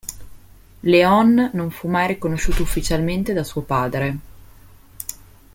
Léon non fu mai riconosciuto ufficialmente da suo padre.